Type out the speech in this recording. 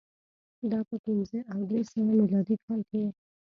دا په پنځه او درې سوه میلادي کال کې و